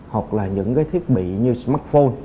hoặc là những cái thiết bị như smartphone